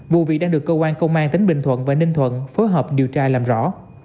vụ việc đang được công an tỉnh bình thuận và ninh thuận phối hợp điều tra làm rõ